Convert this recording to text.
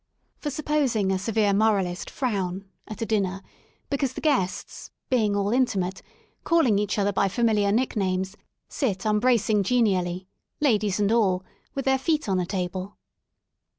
For supposing a severe moralist frown, at a dinner, because the guests, being all intimate, calling each other by familiar nicknames, sit unbracing genially, ladies and all, with their feet on the table.